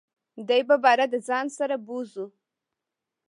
دی به باره دځان سره بوزو .